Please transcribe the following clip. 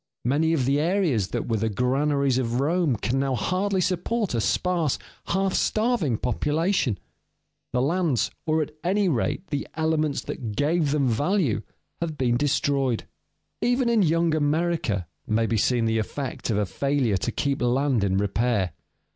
Many of the areas that were the granaries of Rome can now hardly support a sparse, half starving population. The lands, or at any rate, the elements that gave them value, have been destroyed. [Sidenote: Wearing out of some American lands] Even in young America may be seen the effect of a failure to keep land in repair.